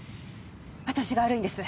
私が悪いんです。